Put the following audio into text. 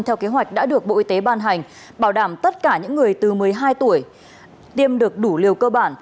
theo kế hoạch đã được bộ y tế ban hành bảo đảm tất cả những người từ một mươi hai tuổi tiêm được đủ liều cơ bản